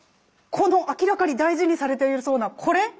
この明らかに大事にされてそうなこれ？